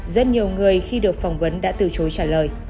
rất nhiều người khi được phỏng vấn đã từ chối trả lời